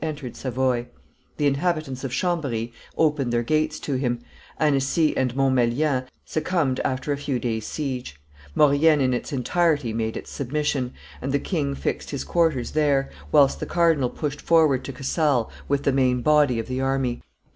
entered Savoy; the inhabitants of Chambery opened their gates to him; Annecy and Montmelian succumbed after a few days' siege; Maurienne in its entirety made its submission, and the king fixed his quarters there, whilst the cardinal pushed forward to Casale with the main body of the army.